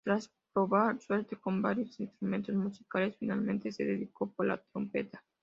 Tras probar suerte con varios instrumentos musicales, finalmente se decidió por la trompeta.